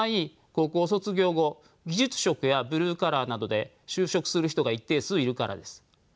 高校卒業後技術職やブルーカラーなどで就職する人が一定数いるからです。